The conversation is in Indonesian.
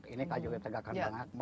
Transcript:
ini kayunya tegakan banyak